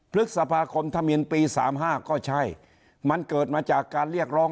พฤษภาคมธมินปี๓๕ก็ใช่มันเกิดมาจากการเรียกร้อง